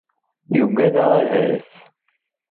Yugad-aɣ ahat ?